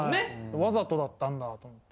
わざとだったんだと思って。